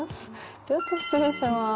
ちょっと失礼します。